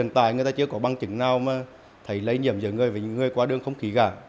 tại người ta chưa có bằng chứng nào mà thấy lây nhiễm giữa người và những người quá đương không khí gã